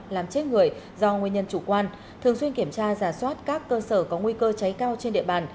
làm chết người do nguyên nhân chủ quan thường xuyên kiểm tra giả soát các cơ sở có nguy cơ cháy cao trên địa bàn